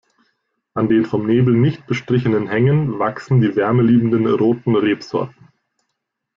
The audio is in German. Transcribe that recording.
An den vom Nebel nicht bestrichenen Hängen wachsen die wärmeliebenden roten Rebsorten.